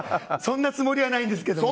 そんなつもりはないですが。